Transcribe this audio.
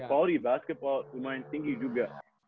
kualitas basketball juga lumayan tinggi juga